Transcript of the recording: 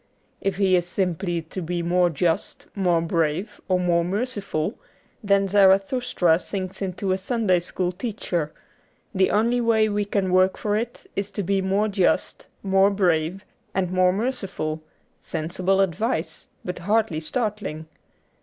If he is simply to be more just, more brave, or more merciful, then Zarathustra sinks into a Sunday school teacher ; the only way we can work for it is to be more just, more brave, and more merciful — sensible advice, but hardly startling.